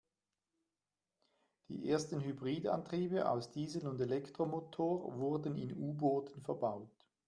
Die ersten Hybridantriebe aus Diesel- und Elektromotor wurden in U-Booten verbaut.